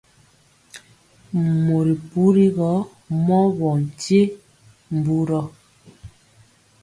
Mori puri gɔ mɔɔ ɓɔ nkye mburɔ.